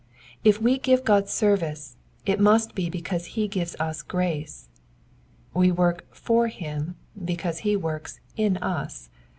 If we give God service it must be because he gives us grace. We work for him because he works in us.